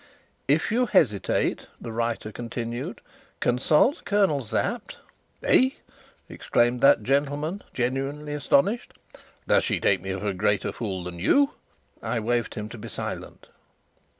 "If you hesitate," the writer continued, "consult Colonel Sapt " "Eh," exclaimed that gentleman, genuinely astonished. "Does she take me for a greater fool than you?" I waved to him to be silent.